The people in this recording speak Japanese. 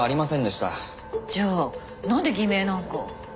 じゃあなんで偽名なんか。